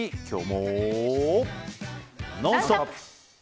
「ノンストップ！」。